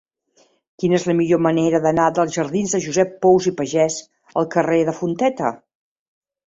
Quina és la millor manera d'anar dels jardins de Josep Pous i Pagès al carrer de Fonteta?